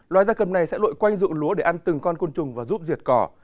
loài gia cầm này sẽ lội quanh dụng lúa để ăn từng con côn trùng và giúp diệt cỏ